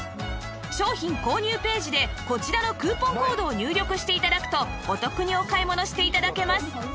商品購入ページでこちらのクーポンコードを入力して頂くとお得にお買い物して頂けます